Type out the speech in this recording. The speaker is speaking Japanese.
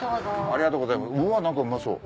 ありがとうございますうまそう。